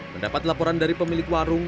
mendapat laporan dari pemilik warung